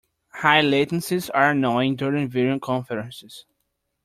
High latencies are annoying during video conferences.